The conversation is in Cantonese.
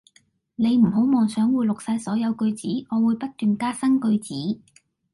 你唔好妄想會錄晒所有句子，我會不斷加新句子